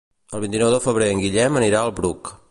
El vint-i-nou de febrer en Guillem anirà al Bruc.